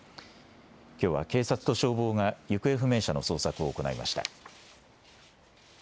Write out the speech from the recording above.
きょうは警察と消防が行方不明者の捜索を行いました。